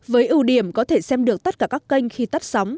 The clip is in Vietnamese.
với ưu điểm có thể xem được tất cả các kênh khi tắt sóng